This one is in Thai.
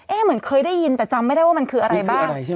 เหมือนเคยได้ยินแต่จำไม่ได้ว่ามันคืออะไรบ้าง